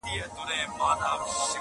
o هغې بۀ ما بلاندي د خپل سر لوپټه وهله,